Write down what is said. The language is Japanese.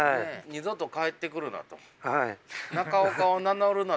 「二度と帰ってくるな」と。